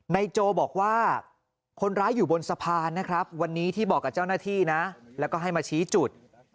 โจบอกว่าคนร้ายอยู่บนสะพานนะครับวันนี้ที่บอกกับเจ้าหน้าที่นะแล้วก็ให้มาชี้จุด